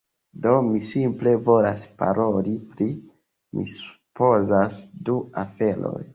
Do, mi simple volas paroli pri... mi supozas du aferoj